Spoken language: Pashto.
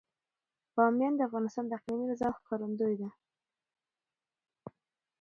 بامیان د افغانستان د اقلیمي نظام ښکارندوی ده.